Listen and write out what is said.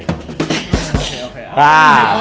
โอเคครับ